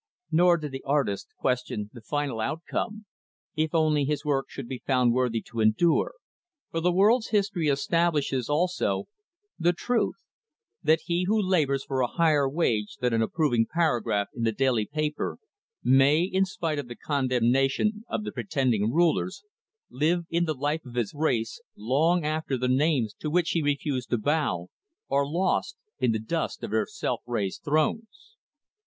Nor did the artist question the final outcome, if only his work should be found worthy to endure, for the world's history establishes, also, the truth that he who labors for a higher wage than an approving paragraph in the daily paper, may, in spite of the condemnation of the pretending rulers, live in the life of his race, long after the names to which he refused to bow are lost in the dust of their self raised thrones.